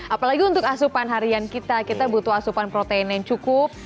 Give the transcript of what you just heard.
apalagi untuk asupan harian kita kita butuh asupan protein yang cukup